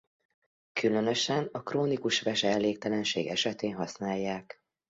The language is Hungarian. Különösen a krónikus veseelégtelenség esetén használják.